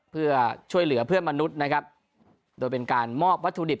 เพื่อช่วยเหลือเพื่อนมนุษย์นะครับโดยเป็นการมอบวัตถุดิบ